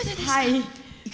はい。